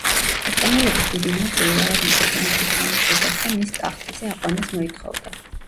ესპანელების დიდი ნაწილი ავადმყოფი მეფის ჩამოგდებას და მის ტახტზე აყვანას მოითხოვდა.